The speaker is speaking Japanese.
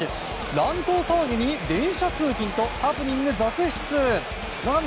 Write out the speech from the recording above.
乱闘騒ぎに電車通勤とハプニング続出。